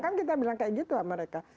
kan kita bilang kayak gitu sama mereka